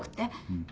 うん。